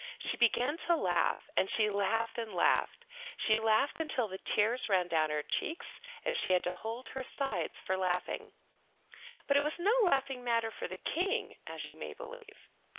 She began to laugh, and she laughed and laughed. She laughed until the tears ran down her cheeks and she had to hold her sides for laughing. But it was no laughing matter for the King, as you may believe.